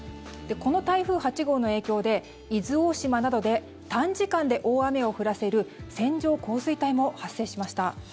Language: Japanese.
この台風８号の影響で伊豆大島などで短時間で大雨を降らせる線状降水帯も発生しました。